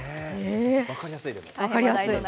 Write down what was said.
分かりやすいです。